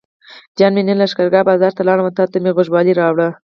جان مې نن لښکرګاه بازار ته لاړم او تاته مې غوږوالۍ راوړې.